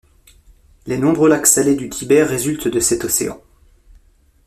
Les nombreux lacs salés du Tibet résultent de cet océan.